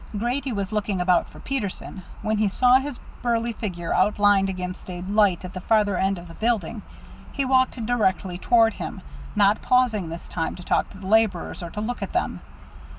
Grady was looking about for Peterson; when he saw his burly figure outlined against a light at the farther end of the building, he walked directly toward him, not pausing this time to talk to the laborers or to look at them.